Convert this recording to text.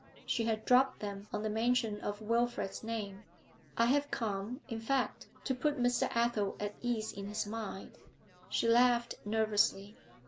She had dropped them on the mention of Wilfrid's name. 'I have come, in fact, to put Mr. Athel at ease in his mind.' She laughed nervously.